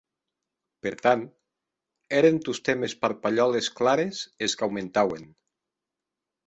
Per tant, èren tostemp es parpalhòles clares es qu'aumentauen.